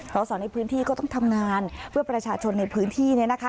สอสอในพื้นที่ก็ต้องทำงานเพื่อประชาชนในพื้นที่เนี่ยนะคะ